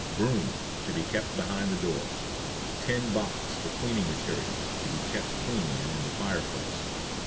Broom To be kept behind the door. TIN BOX for CLEANING MATERIALS To be kept clean and in the fire place.